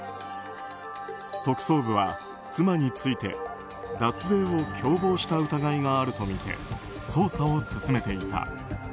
特捜部は、妻について脱税を共謀した疑いがあるとみて捜査を進めていた。